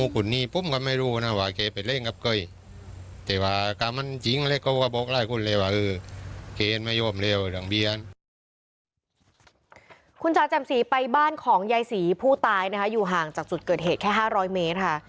คุณจ๋าแจ่มสีไปบ้านของยายศรีผู้ตายนะคะอยู่ห่างจากจุดเกิดเหตุแค่๕๐๐เมตรค่ะ